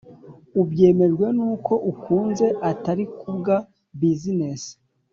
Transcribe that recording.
ubyemejwe nuko unkunze atari kubwa business